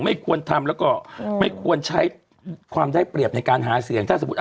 ไม่ควรทำแล้วก็ไม่ควรใช้ความได้เปรียบในการหาเสียงถ้าสมมุติ